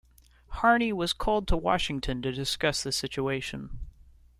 Harney was called to Washington to discuss the situation.